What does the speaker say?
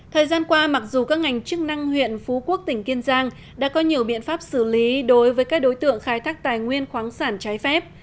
thời gian qua mặc dù các ngành chức năng huyện phú quốc tỉnh kiên giang đã có nhiều biện pháp xử lý đối với các đối tượng khai thác tài nguyên khoáng sản trái phép